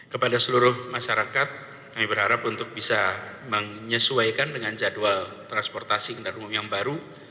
kepada seluruh masyarakat kami berharap untuk bisa menyesuaikan dengan jadwal transportasi kendaraan umum yang baru